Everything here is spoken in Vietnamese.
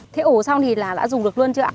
thế ủ xong thì đã dùng được luôn chưa ạ